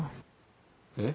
えっ？